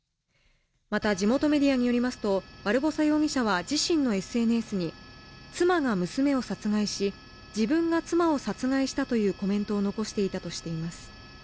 また地元メディアによりますとバルボサ容疑者は自身のＳＮＳに妻が娘を殺害し自分が妻を殺害したというコメントを残していたとしています